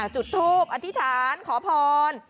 จุดทูปอธิษฐานขอพร